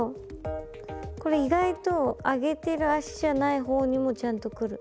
これ意外と上げてる脚じゃない方にもちゃんとくる。